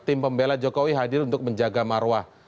tim pembela jokowi hadir untuk menjaga marwah